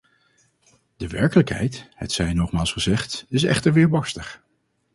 De werkelijkheid, het zij nogmaals gezegd, is echter weerbarstig.